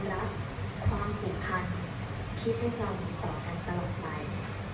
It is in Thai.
และความผูกพันคิดให้เราต่อกันตลอดไป